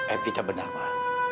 evita benar ma